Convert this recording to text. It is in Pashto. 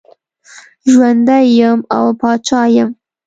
ژوندی یم او پاچا یم.